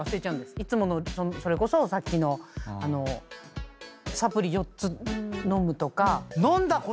いつものそれこそさっきのサプリ４つ飲むとか。